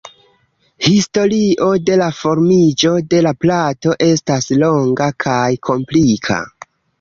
Historio de la formiĝo de la plato estas longa kaj komplika.